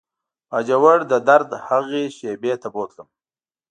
باجوړ د درد هغې شېبې ته بوتلم.